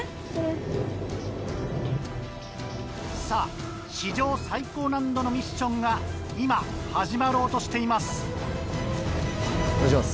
さぁ史上最高難度のミッションが今始まろうとしています。